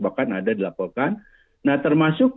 bahkan ada di laporkan nah termasuk